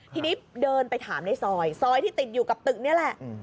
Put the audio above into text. ทีนี้เดินไปถามในซอยซอยที่ติดอยู่กับตึกนี่แหละ